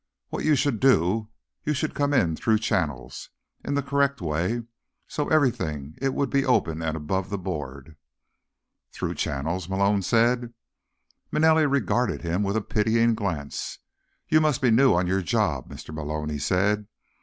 What you should do, you should come in through channels, in the correct way, so everything it would be open and above the board." "Through channels?" Malone said. Manelli regarded him with a pitying glance. "You must be new on your job, Mr. Malone," he said.